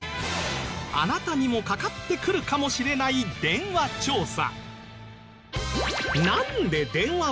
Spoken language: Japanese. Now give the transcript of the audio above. あなたにもかかってくるかもしれない電話調査。